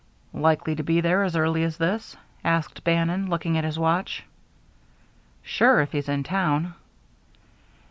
"Likely to be there as early as this?" asked Bannon, looking at his watch. "Sure, if he's in town."